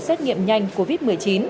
xét nghiệm nhanh covid một mươi chín